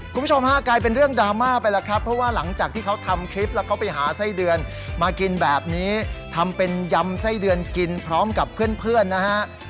คุณผู้ชมฮะกลายเป็นเรื่องดราม่าไปแล้วครับเพราะว่าหลังจากที่เขาทำคลิปแล้วเขาไปหาไส้เดือนมากินแบบนี้ทำเป็นยำไส้เดือนกินพร้อมกับเพื่อนนะฮะ